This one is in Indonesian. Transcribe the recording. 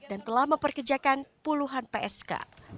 dan telah memperkejakan puluhan psk